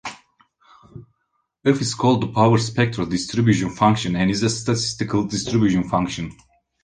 "F" is called the power spectral distribution function and is a statistical distribution function.